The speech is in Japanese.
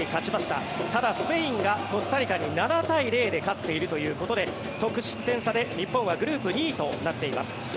ただスペインがコスタリカに７対０で勝っているということで得失点差で日本はグループ２位となっています。